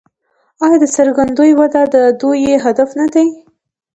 آیا د ګرځندوی وده د دوی هدف نه دی؟